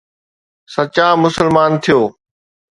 سچا مسلمان ٿيو